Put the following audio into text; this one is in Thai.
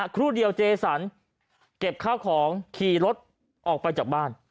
ครู่เดียวเจสันเก็บข้าวของขี่รถออกไปจากบ้าน